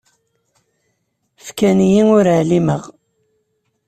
Fkan-iyi ur ɛlimeɣ.